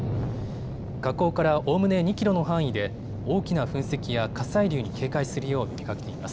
火口からおおむね２キロの範囲で大きな噴石や火砕流に警戒するよう呼びかけています。